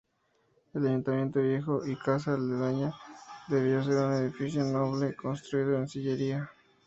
El Ayuntamiento viejo y casa aledaña debió ser un edificio noble construido en sillería.